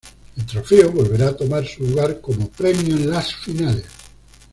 El trofeo volverá a tomar su lugar como premio en las finales.